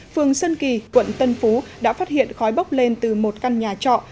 phường sơn kỳ quận tân phú đã phát hiện khói bốc lên từ một căn nhà trọ